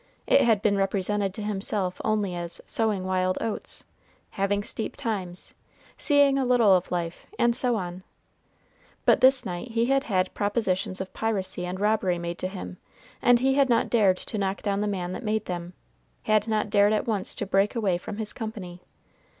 It had been represented to himself only as "sowing wild oats," "having steep times," "seeing a little of life," and so on; but this night he had had propositions of piracy and robbery made to him, and he had not dared to knock down the man that made them, had not dared at once to break away from his company.